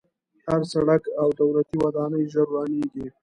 هر سړک او دولتي ودانۍ ژر ورانېږي.